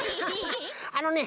あのね